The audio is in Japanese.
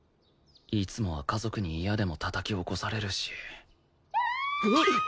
いつもは家族に嫌でもたたき起こされるしキャーッ！